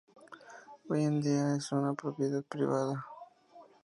Hoy en día es una propiedad privada.